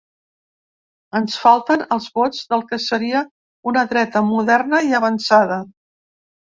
Ens falten els vots del que seria una dreta moderna i avançada.